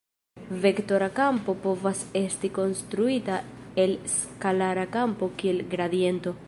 Vektora kampo povas esti konstruita el skalara kampo kiel gradiento.